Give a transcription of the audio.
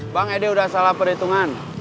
bang edy udah salah perhitungan